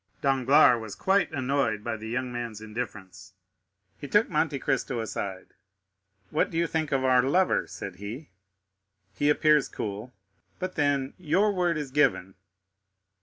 Danglars was quite annoyed by the young man's indifference. He took Monte Cristo aside. "What do you think of our lover?" said he. "He appears cool. But, then your word is given."